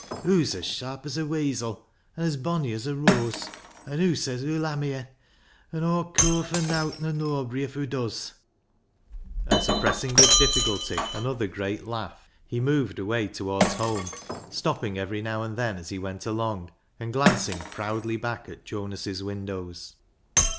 Hoo's as sharp as a weasel, an' as bonny as a rooase, and hoo says hoo'U ha' me, an' Aw cur fur nowt nor noabry if hoo does." 284 BECKSIDE LIGHTS And suppressing with difficulty another great laugh, he moved away towards home, stopping every now and then as he went along, and glancing proudly back at Jonas's windows.